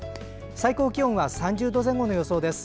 最高気温は３０度前後の予想です。